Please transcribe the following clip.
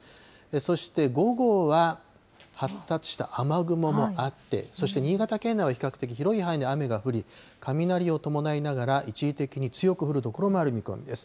そして午後は発達した雨雲もあって、そして新潟県内は比較的広い範囲で雨が降り、雷を伴いながら、一時的に強く降る所もある見込みです。